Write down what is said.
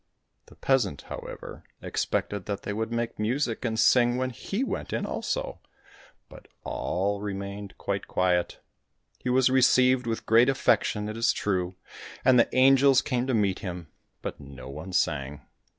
The peasant, however, expected that they would make music and sing when he went in also, but all remained quite quiet; he was received with great affection, it is true, and the angels came to meet him, but no one sang.